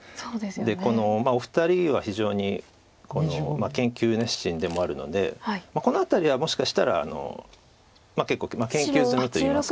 このお二人は非常に研究熱心でもあるのでこの辺りはもしかしたら結構研究済みといいますか。